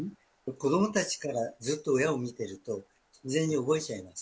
子どもたちからずっと親を見ていると、自然に覚えちゃいます。